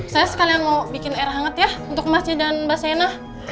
saya sekalian mau bikin air hangat ya untuk masnya dan mbak sena